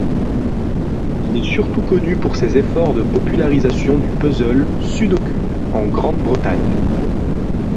Il est surtout connu pour ses efforts de popularisation du puzzle Sudoku en Grande-Bretagne.